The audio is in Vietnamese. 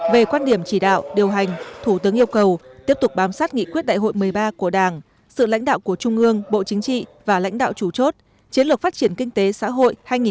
về quan điểm chỉ đạo điều hành thủ tướng yêu cầu tiếp tục bám sát nghị quyết đại hội một mươi ba của đảng sự lãnh đạo của trung ương bộ chính trị và lãnh đạo chủ chốt chiến lược phát triển kinh tế xã hội hai nghìn một mươi hai hai nghìn ba mươi